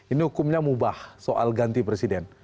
ini hukumnya mubah soal ganti presiden